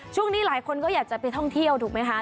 ช่วงนี้หลายคนก็อยากจะไปท่องเที่ยวถูกไหมคะ